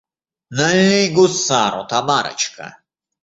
Налей гусару, Тамарочка!